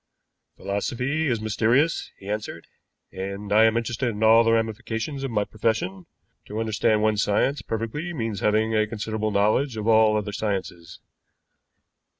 "Philosophy is mysterious," he answered, "and I am interested in all the ramifications of my profession. To understand one science perfectly means having a considerable knowledge of all other sciences."